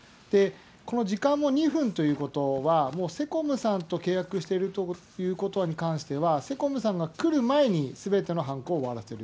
この時間も２分ということは、もうセコムさんと契約しているということに関しては、セコムさんが来る前に、すべての犯行を終わらせる。